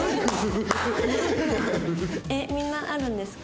えっみんなあるんですか？